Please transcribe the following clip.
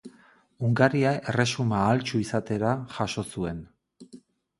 Hungaria erresuma ahaltsu izatera jaso zuen.